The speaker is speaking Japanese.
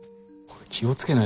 これ。